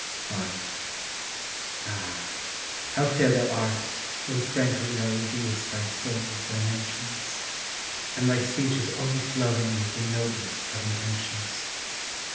V. Ah, how fair thou art when frankly Thou reveal'st thy soul's dimensions, And thy speech is overflowing With the noblest of intentions.